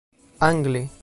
angle